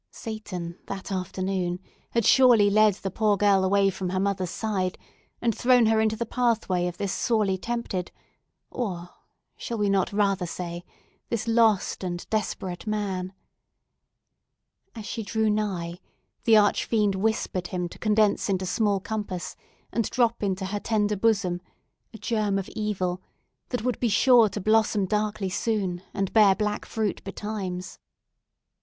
Satan, that afternoon, had surely led the poor young girl away from her mother's side, and thrown her into the pathway of this sorely tempted, or—shall we not rather say?—this lost and desperate man. As she drew nigh, the arch fiend whispered him to condense into small compass, and drop into her tender bosom a germ of evil that would be sure to blossom darkly soon, and bear black fruit betimes.